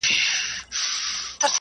د حیا ډکه مُسکا دي پاروي رنګین خیالونه،